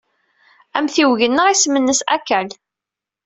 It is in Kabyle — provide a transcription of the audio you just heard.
Amtiweg-nneɣ isem-nnes Akal.